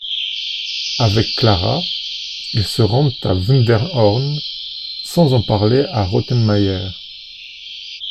Avec Clara, ils se rendent à Wunderhorn sans en parler à Rottenmeier.